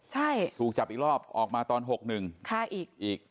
ถูกจับอีกรอบออกมาตอนพี๕๑